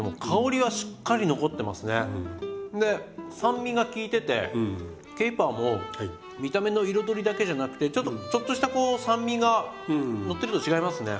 で酸味が効いててケイパーも見た目の彩りだけじゃなくてちょっとしたこう酸味がのってると違いますね。